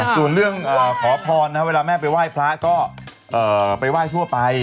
ส่วนเรื่องขอพรเวลาแม่ไปไหว้พระก็ไปไหว้ทั่วไป